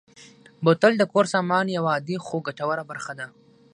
بوتل د کور سامان یوه عادي خو ګټوره برخه ده.